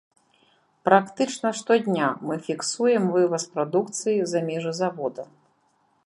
Практычна штодня мы фіксуем вываз прадукцыі за межы завода.